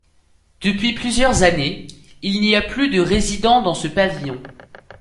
Depuis plusieurs années, il n'y a plus de résidents dans ce pavillon.